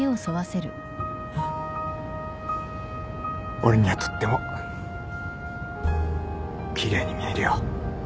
俺にはとっても奇麗に見えるよ。